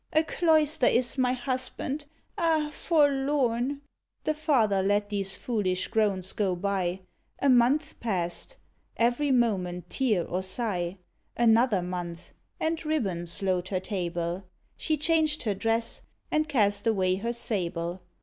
"A cloister is my husband ah! forlorn." The father let these foolish groans go by; A month pass'd every moment tear or sigh. Another month, and ribbons load her table; She changed her dress, and cast away her sable.